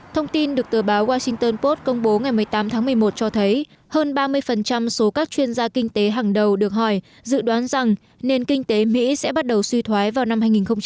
thông tin được tờ báo washington pot công bố ngày một mươi tám tháng một mươi một cho thấy hơn ba mươi số các chuyên gia kinh tế hàng đầu được hỏi dự đoán rằng nền kinh tế mỹ sẽ bắt đầu suy thoái vào năm hai nghìn một mươi năm